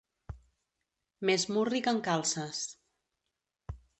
Més murri que en Calces.